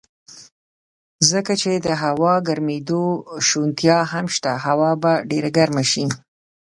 ځکه چې د هوا ګرمېدو شونتیا هم شته، هوا به ډېره ګرمه شي.